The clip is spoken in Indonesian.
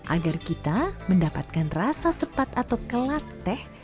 agar kita mendapatkan rasa sepat atau kelat teh